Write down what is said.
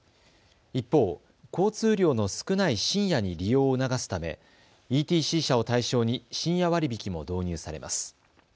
一方、交通量の少ない深夜に利用を促すためＥＴＣ車を対象に深夜割引も導入されます。